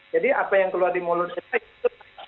jadi apa yang keluar di mulut kita itu